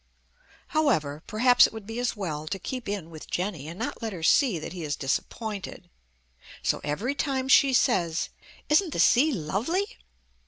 However, perhaps it would be as well to keep in with Jenny and not to let her see that he is disappointed, so every time she says, "Isn't the sea lovely?"